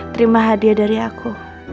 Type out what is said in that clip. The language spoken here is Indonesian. terima hadiah dari aku